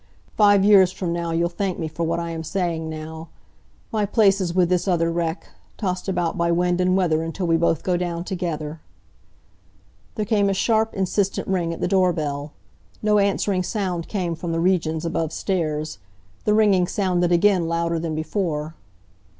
Five years from now you'll thank me for what I am saying now. My place is with this other wreck tossed about by wind and weather until we both go down together." There came a sharp, insistent ring at the door bell. No answering sound came from the regions above stairs. The ringing sounded again, louder than before.